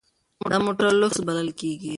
دا موټر لوکس بلل کیږي.